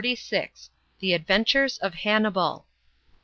165 46. THE ADVENTURES OP HANNIBAL.